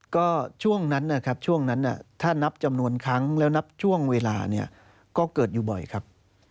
ก็ช่วงนั้นนะครับช่วงนั้นถ้านับจำนวนครั้งแล้วนับช่วงเวลาเนี่ยก็เกิดอยู่บ่อยครับ